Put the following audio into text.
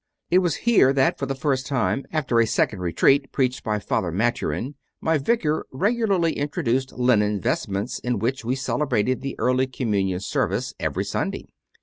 It was here that for the first time, after a second retreat preached by Father Maturin, my vicar regularly introduced linen vestments in which we celebrated the early Communion service every Sun day.